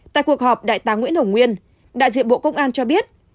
tại cuộc họp đại tá nguyễn hồng nguyên đại diện bộ công an cho biết